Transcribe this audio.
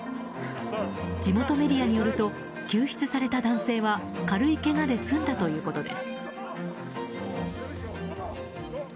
地元メディアによると救出された男性は軽いけがで済んだということです。